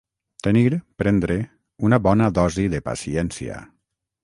Tenir, prendre, una bona dosi de paciència.